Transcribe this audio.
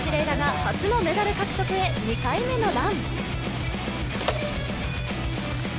楽が初のメダル獲得へ２回目のラン。